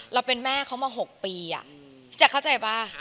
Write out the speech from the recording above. เราเป็นแม่เขามา๖ปีพี่แจ๊คเข้าใจป่ะ